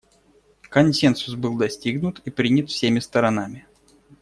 Консенсус был достигнут и принят всеми сторонами.